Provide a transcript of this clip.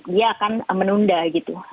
dia akan menunda gitu